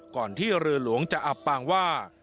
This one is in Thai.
ก่อนที่เรือหลวงจะอับปางว่า